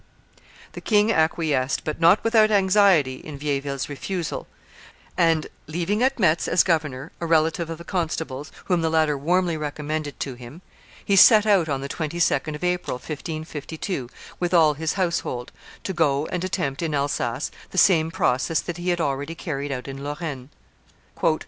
The king acquiesced, but not without anxiety, in Vieilleville's refusal, and, leaving at Metz as governor a relative of the constable's, whom the latter warmly recommended to him, he set out on the 22d of April, 1552, with all his household, to go and attempt in Alsace the same process that he had already carried out in Lorraine.